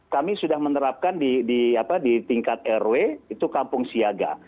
kami sudah menerapkan di tingkat rw itu kampung siaga